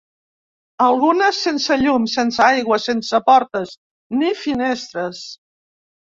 Algunes sense llum, sense aigua, sense portes, ni finestres.